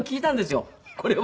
これは。